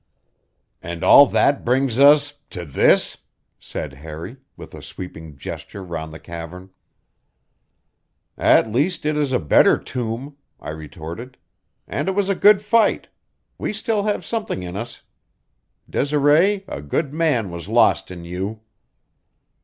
"And all that brings us to this," said Harry, with a sweeping gesture round the cavern. "At least, it is a better tomb," I retorted. "And it was a good fight. We still have something in us. Desiree, a good man was lost in you."